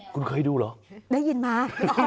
คุณเคยดูเหรอได้ยินมา